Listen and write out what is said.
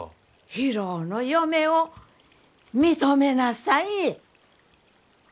博夫の嫁を認めなさい。